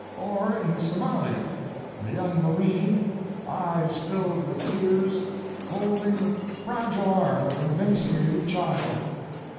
Or in Somalia, the young marine, eyes filled with tears, holding the fragile arm of an emaciated child.